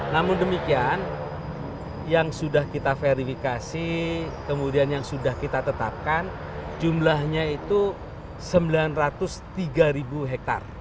namun demikian yang sudah kita verifikasi kemudian yang sudah kita tetapkan jumlahnya itu sembilan ratus tiga hektare